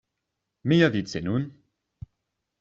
Miavice nun!